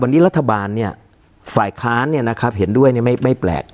วันนี้รัฐบาลเนี่ยฝ่ายค้านเนี่ยนะครับเห็นด้วยเนี่ยไม่แปลก